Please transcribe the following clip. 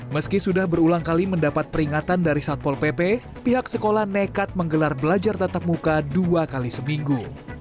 meski sudah berulang kali mendapat peringatan dari satpol pp pihak sekolah nekat menggelar belajar tatap muka dua kali seminggu